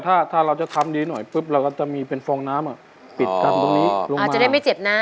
ถ้าถ้าเราจะทำดีหน่อยปุ๊บเราก็จะมีเป็นฟองน้ำปิดกันตรงนี้ลงอาจจะได้ไม่เจ็บนะ